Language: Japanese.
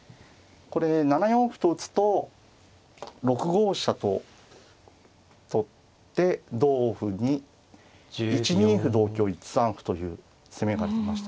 これ７四歩と打つと６五飛車と取って同歩に１二歩同香１三歩という攻めがありましたかね。